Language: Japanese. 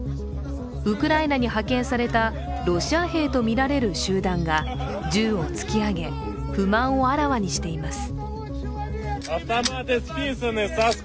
ウクライナに派遣されたロシア兵とみられる集団が銃を突き上げ、不満をあらわにしています。